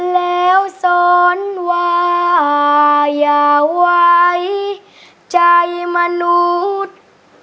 แล้วสอนว่าอย่าไว้ใจมนุษย์